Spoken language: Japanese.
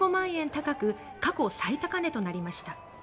高く過去最高値となりました。